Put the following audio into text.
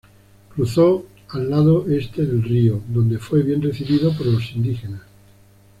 Cruzó al lado este del río, donde fue bien recibido por los indígenas.